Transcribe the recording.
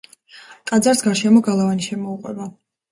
ტაძარს გარშემო გალავანი შემოუყვება.